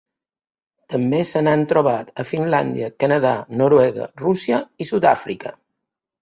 També se n'ha trobat a Finlàndia, Canadà, Noruega, Rússia i Sud-àfrica.